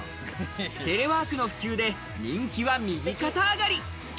テレワークの普及で、人気は右肩上がり。